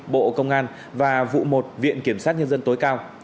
bộ công an và vụ một viện kiểm sát nhân dân tối cao